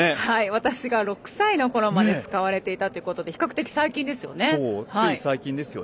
私が６歳のころまで使われていたということで比較的最近ですね。